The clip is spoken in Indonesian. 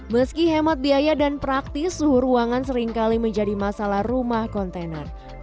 meski hemat biaya dan praktis suhu ruangan seringkali menjadi masalah rumah kontainer